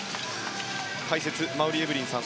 解説、馬瓜エブリンさん